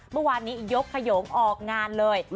เมื่อวานนี้ยกขยงออกงานเลย